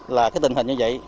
là cái tình hình như vậy